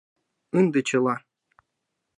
Ынде чыла.